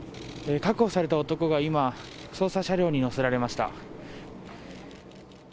確保された男が今、捜査車両に乗せられました。